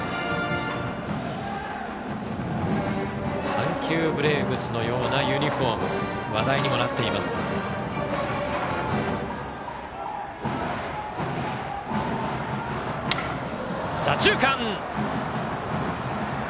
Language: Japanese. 阪急ブレーブスのようなユニフォームで話題にもなっている北陸高校。